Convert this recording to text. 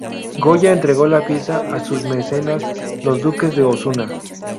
Goya entregó la pieza a sus mecenas, los duques de Osuna.